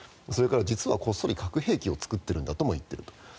それから実はこっそり核兵器を作っているんだとも言っていると。